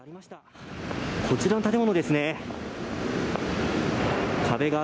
こちらの建物ですね。